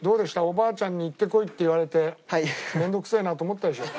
おばあちゃんに行ってこいって言われて面倒くせえなと思ったでしょ？